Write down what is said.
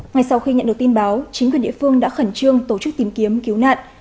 ngay sau khi nhận được tin báo chính quyền địa phương đã khẩn trương tổ chức tìm kiếm cứu nạn